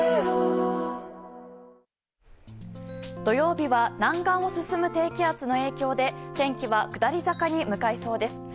土曜日は南岸を進む低気圧の影響で天気は下り坂に向かいそうです。